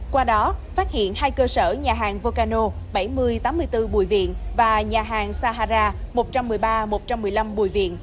qua đó phát hiện hai cơ sở nhà hàng volcano bảy nghìn tám mươi bốn bùi viện và nhà hàng sahara một trăm một mươi ba một trăm một mươi năm bùi viện